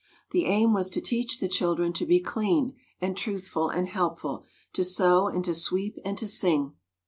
The aim was to teach the children to be clean and truthful and helpful, to sew and to sweep and to sing.